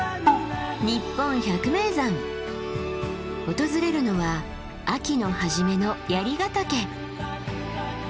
訪れるのは秋の初めの槍ヶ岳。